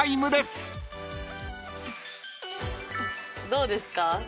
どうですか？